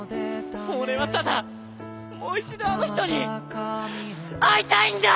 俺はただもう一度あの人に会いたいんだ！